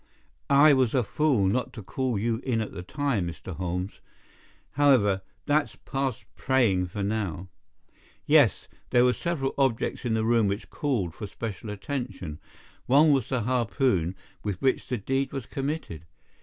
"I was a fool not to call you in at the time Mr. Holmes. However, that's past praying for now. Yes, there were several objects in the room which called for special attention. One was the harpoon with which the deed was committed.